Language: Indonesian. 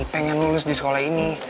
pengen lulus di sekolah ini